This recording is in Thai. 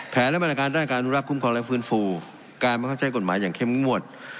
แผนและบริหารจัดการร่วมรับคุ้มของและฟื้นฟูการบังคับใช้กฎหมายอย่างเข้มงวด